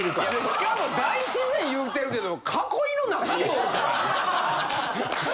しかも大自然言うてるけど。